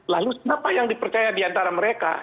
lalu siapa yang dipercaya diantara mereka